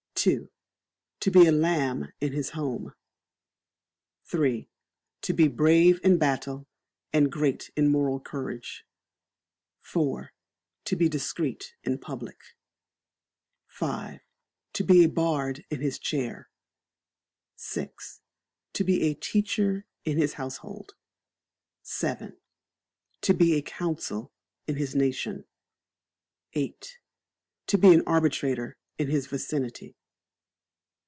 ii. To be a lamb in his home. iii. To be brave in battle and great in moral courage. iv. To be discreet in public. v. To be a bard in his chair. vi. To be a teacher in his household. vii. To be a council in his nation. viii. To be an arbitrator in his vicinity.